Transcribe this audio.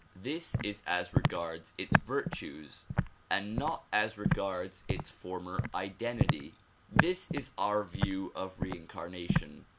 This is as regards its virtues and not as regards its former identity. This is our view of reincarnation.